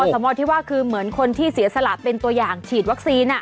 สมที่ว่าคือเหมือนคนที่เสียสละเป็นตัวอย่างฉีดวัคซีน